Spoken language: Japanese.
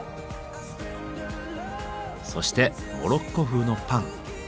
そしてモロッコ風のパン。